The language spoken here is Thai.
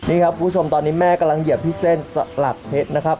นี่ครับคุณผู้ชมตอนนี้แม่กำลังเหยียบที่เส้นสลักเพชรนะครับ